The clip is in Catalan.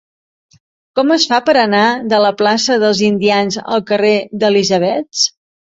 Com es fa per anar de la plaça dels Indians al carrer d'Elisabets?